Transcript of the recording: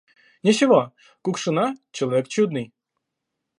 Ничего! Кукшина - человек чудный.